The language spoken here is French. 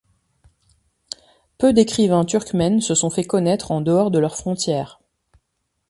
Peu d'écrivains turkmènes se sont fait connaître en dehors de leurs frontières.